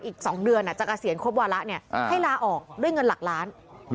อีก๒เดือนจะเกษียณครบวาระให้ลาออกด้วยเงินหลักล้าน